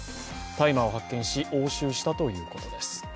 大麻を発見し、押収したということです